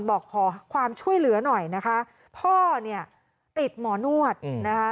บอกขอความช่วยเหลือหน่อยนะคะพ่อเนี่ยติดหมอนวดนะคะ